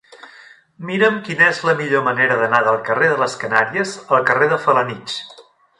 Mira'm quina és la millor manera d'anar del carrer de les Canàries al carrer de Felanitx.